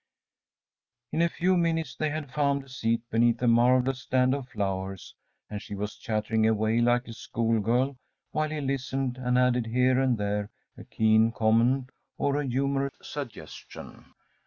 ‚ÄĚ In a few minutes they had found a seat beneath a marvellous stand of flowers, and she was chattering away like a schoolgirl while he listened, and added here and there a keen comment or a humorous suggestion.